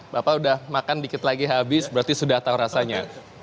bapak udah makan dikit lagi habis berarti sudah tahu rasanya